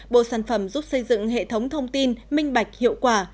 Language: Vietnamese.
bộ sản phẩm giúp xây dựng hệ thống thông tin minh bạch hiệu quả